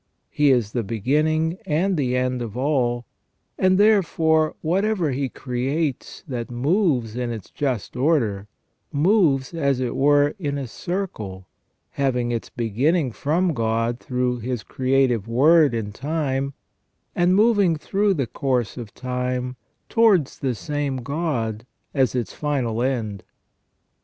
He is the beginning and the end of all, and therefore whatever He creates that moves in its just order, moves as it were in a circle having its beginning from God through His creative Word in time, and moving through the course of time towards the same God as its final end.